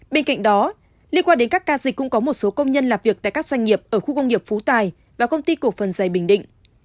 bên cạnh đó liên quan đến các ca dịch cũng có một số công nhân làm việc tại các doanh nghiệp ở khu công nghiệp phú tài và công ty cổ phần dày bình định